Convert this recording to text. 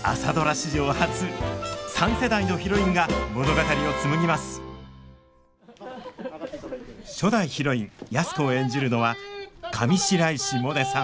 史上初三世代のヒロインが物語を紡ぎます初代ヒロイン安子を演じるのは上白石萌音さん